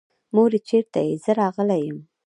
مورې چېرې يې؟ زه راغلی يم.